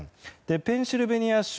ペンシルベニア州